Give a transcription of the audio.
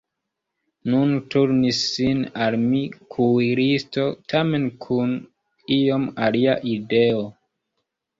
Nun turnis sin al mi kuiristo, tamen kun iom alia ideo.